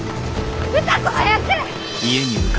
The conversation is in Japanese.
歌子早く！